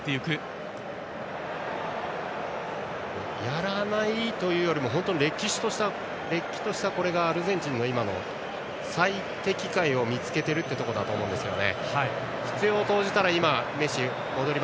やらないというよりこれが、れっきとしたアルゼンチンの今の最適解を見つけているところだと思うんですよね。